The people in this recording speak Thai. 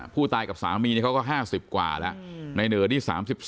ผู้ตายกับสามีเขาก็๕๐กว่าแล้วในเนิดที่๓๒